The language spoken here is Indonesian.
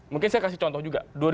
mungkin saya kasih contoh juga